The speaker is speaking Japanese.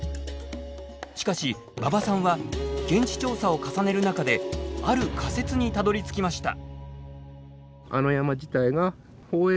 しかし馬場さんは現地調査を重ねる中である仮説にたどりつきました。